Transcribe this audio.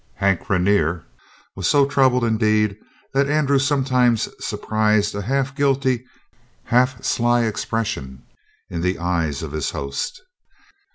Hank Rainer was so troubled, indeed, that Andrew sometimes surprised a half guilty, half sly expression in the eyes of his host.